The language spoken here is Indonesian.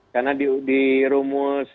karena di rumus